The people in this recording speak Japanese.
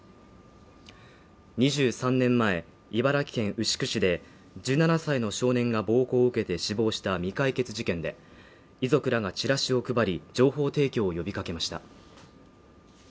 ２３年前、茨城県牛久市で１７歳の少年が暴行を受けて死亡した未解決事件で、遺族らがチラシを配り情報提供を呼びかけました。